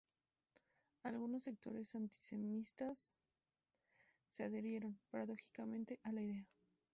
Algunos sectores antisemitas se adhirieron, paradójicamente, a la idea.